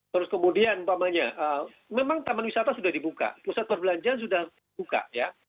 terus kemudian memang taman wisata sudah dibuka pusat perbelanjaan sudah buka ya